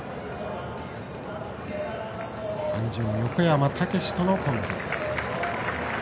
鞍上横山武史とのコンビです。